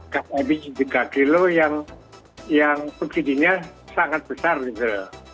gas ip tiga kilo yang yang pekerjanya sangat besar gitu